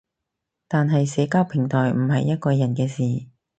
但係社交平台唔係一個人嘅事